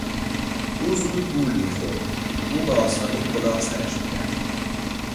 او زود گول میخورد، او به آسانی کلاه سرش میرفت.